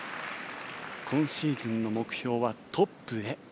今シーズンの目標はトップへ。